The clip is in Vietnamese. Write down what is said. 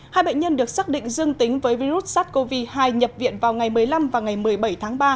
hai bệnh nhân được xác định dương tính với virus sars cov hai nhập viện vào ngày một mươi năm và ngày một mươi bảy tháng ba